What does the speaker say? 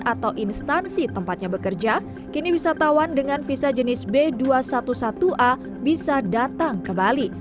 atau instansi tempatnya bekerja kini wisatawan dengan visa jenis b dua ratus sebelas a bisa datang ke bali